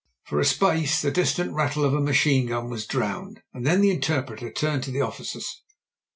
For a space the distant rattle of a machine gun was drowned, and then the interpreter turned to the officers.